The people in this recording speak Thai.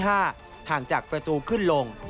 ห่างจากประตูขึ้นลง